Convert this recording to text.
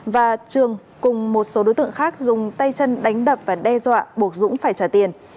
và trường cùng một số đối tượng khác dùng tay chân đánh đập và đe dọa buộc dũng phải trả tiền